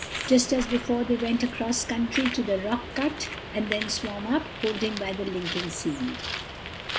Just as before they went across country to the rock cut and then swam up, holding by the linking seaweed.